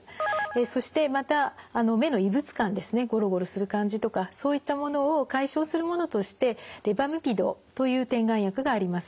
そしてまた目の異物感ですねゴロゴロする感じとかそういったものを解消するものとしてレバミピドという点眼薬があります。